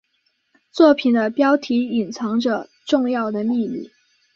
作品的标题隐藏着重要的秘密。